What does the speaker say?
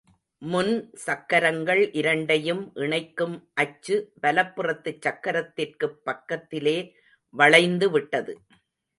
முன்சக்கரங்கள் இரண்டையும் இணைக்கும் அச்சு வலப்புறத்துச் சக்கரத்திற்குப் பக்கத்திலே வளைந்துவிட்டது.